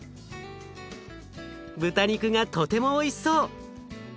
豚肉がとてもおいしそう！